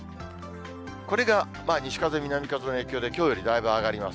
これが西風、南風の影響で、きょうよりだいぶ上がります。